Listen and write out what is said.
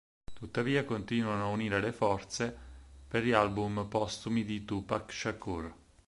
Tuttavia continuano ad unire le forze per gli album postumi di Tupac Shakur.